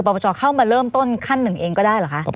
พอประชาเข้าไปเริ่มขั้นหนึ่งเองก็ได้เหรอคะ